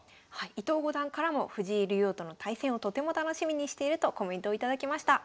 伊藤五段からも藤井竜王との対戦をとても楽しみにしているとコメントを頂きました。